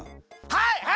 はい！